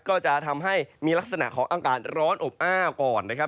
ก็จะทำให้มีลักษณะของอากาศร้อนอบอ้าวก่อนนะครับ